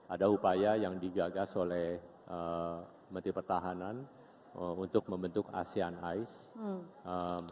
ada upaya yang digagas oleh menteri pertahanan untuk membentuk asean ice